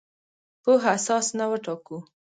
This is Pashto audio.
پوهه اساس نه وټاکو.